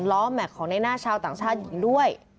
ล้อแม็กซ์ของในหน้าชาวต่างชาติหญิงด้วย